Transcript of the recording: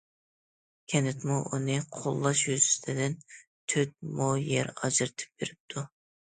كەنتمۇ ئۇنى قوللاش يۈزىسىدىن تۆت مو يەر ئاجرىتىپ بېرىپتۇ.